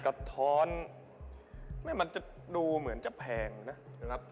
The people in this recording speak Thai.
ท้อนมันจะดูเหมือนจะแพงนะครับ